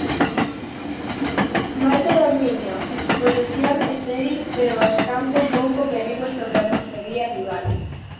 Moito dominio, posesión estéril, pero bastante pouco perigo sobre a portería rival.